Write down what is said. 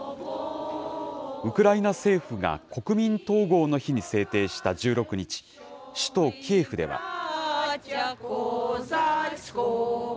ウクライナ政府が国民統合の日に制定した１６日、首都キエフでは。